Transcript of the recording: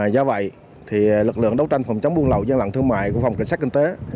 do vậy lực lượng đấu tranh phòng chống buôn lậu gian lận thương mại của phòng cảnh sát kinh tế